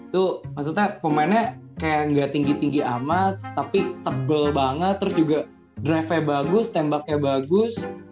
tuh maksudnya pemainnya kayak gak tinggi tinggi amat tapi tebal banget terus juga drive nya bagus tembaknya bagus